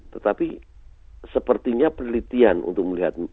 tetapi sepertinya penelitian untuk melihat